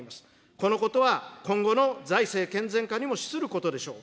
このことは今後の財政健全化にも資することでしょう。